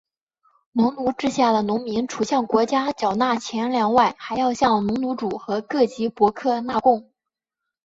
农奴制下的农民除向国家缴纳钱粮外还要向农奴主和各级伯克纳贡。